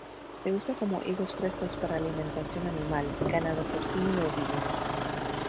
Se usa como higos frescos para alimentación animal, ganado porcino y ovino.